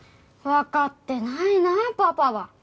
わかってないなパパは。